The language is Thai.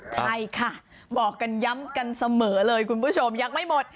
ใช่ค่ะบอกกันย้ำกันเสมอเลยคุณผู้ชมยังไม่หมด